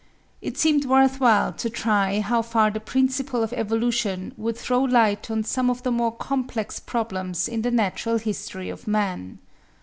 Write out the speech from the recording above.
It seemed worth while to try how far the principle of evolution would throw light on some of the more complex problems in the natural history of man.